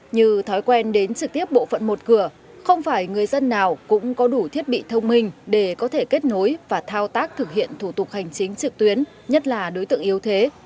như thói quen đến trực tiếp bộ phận một cửa không phải người dân nào cũng có đủ thiết bị thông minh để có thể kết nối và thao tác thực hiện thủ tục hành chính trực tuyến nhất là đối tượng yếu thế